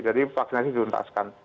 jadi vaksinasi diuntaskan